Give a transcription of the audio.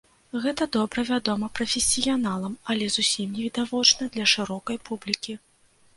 Гэта добра вядома прафесіяналам, але зусім не відавочна для шырокай публікі.